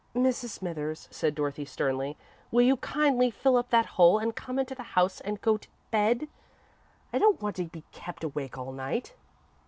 "Mrs. Smithers," said Dorothy, sternly, "will you kindly fill up that hole and come into the house and go to bed? I don't want to be kept awake all night."